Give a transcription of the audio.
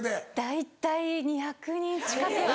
大体２００人近くは。